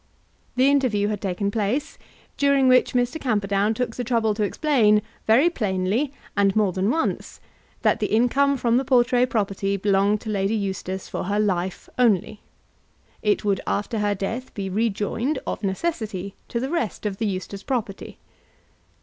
The interview had taken place, during which Mr. Camperdown took the trouble to explain very plainly and more than once that the income from the Portray property belonged to Lady Eustace for her life only. It would after her death be rejoined, of necessity, to the rest of the Eustace property.